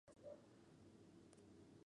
Recuperación estanqueidad.